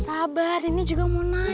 sabar ini juga mau naik